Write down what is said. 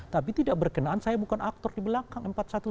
tapi tidak berkenaan saya bukan aktor di belakang empat ratus dua belas